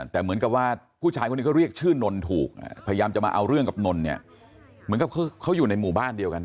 แต่เหมือนกับว่าผู้ชายคนนี้เขาเรียกชื่อนนถูกพยายามจะมาเอาเรื่องกับนนเนี่ยเหมือนกับเขาอยู่ในหมู่บ้านเดียวกัน